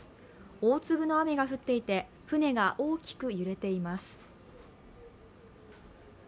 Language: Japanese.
大粒の雨が降っていて船が大きく揺れています。